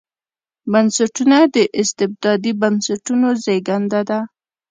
بنسټونه د استبدادي بنسټونو زېږنده ده.